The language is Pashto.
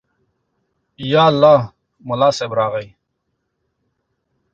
_يالله، ملا صيب راغی.